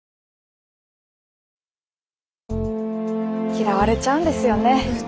嫌われちゃうんですよね。